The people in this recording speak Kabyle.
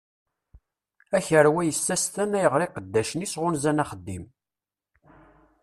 Akerwa yessestan ayɣeṛ iqeddacen-is ɣunzan axeddim.